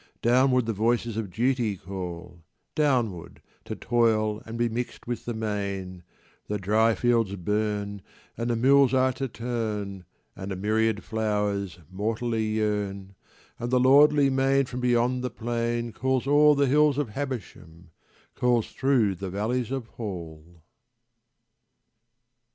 Downward the voices of Duty call Downward, to toil and be mixed with the main, The dry fields burn, and the mills are to turn, And a myriad flowers mortally yearn, And the lordly main from beyond the plain Calls o'er the hills of Habersham, Calls through the valleys of Hall.